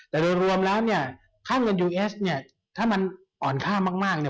แต่โดยรวมแล้วเนี่ยค่าเงินยูเอสเนี่ยถ้ามันอ่อนค่ามากเนี่ย